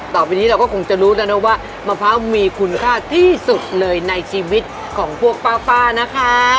ต่อไปนี้เราก็คงจะรู้แล้วนะว่ามะพร้าวมีคุณค่าที่สุดเลยในชีวิตของพวกป้านะคะ